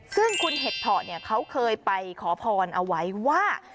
ซึ่งคุณเห็ดเพาะเนี่ยเขาเคยไปขอพรเอาไว้ว่า